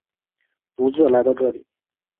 独自来到这里